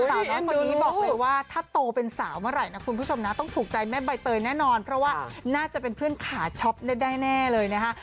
สาวแม่คนนี้บอกเลยว่าถ้าโตเป็นสาวเมื่อไหร่นะคุณผู้ชมนะต้องถูกใจแม่ใบเตยแน่นอนเพราะว่าน่าจะเป็นเพื่อนขาช็อปแน่เลยนะคะ